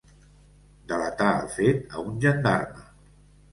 Delatà el fet a un gendarme.